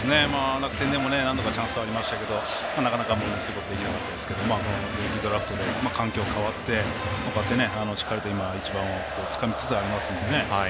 楽天でも何度かチャンスありましたけどなかなか、ものにすることができなかったですけど現役ドラフトで環境が変わってしっかりと１番をつかみつつありますのでね。